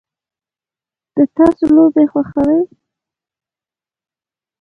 د تاسو لوبې خوښوئ؟